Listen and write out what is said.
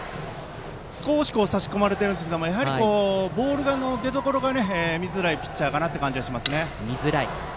少し差し込まれていますがボールの出どころが見づらいピッチャーかなと思います。